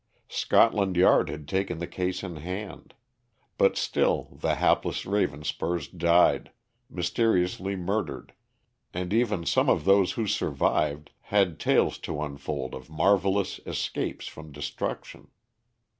Scotland Yard had taken the case in hand; but still the hapless Ravenspurs died, mysteriously murdered, and even some of those who survived had tales to unfold of marvelous escapes from destruction.